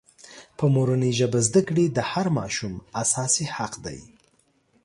په مورنۍ ژبه زدکړې د هر ماشوم اساسي حق دی.